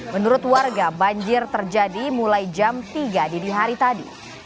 menurut warga banjir terjadi mulai jam tiga didi hari tadi